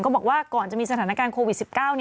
บอกว่าก่อนจะมีสถานการณ์โควิด๑๙